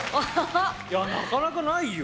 いやなかなかないよ。